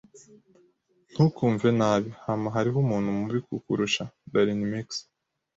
Ntukumve nabi. Hama hariho umuntu mubi kukurusha. (darinmex)